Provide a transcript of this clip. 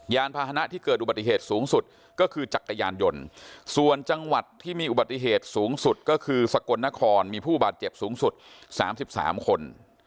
พาหนะที่เกิดอุบัติเหตุสูงสุดก็คือจักรยานยนต์ส่วนจังหวัดที่มีอุบัติเหตุสูงสุดก็คือสกลนครมีผู้บาดเจ็บสูงสุด๓๓คน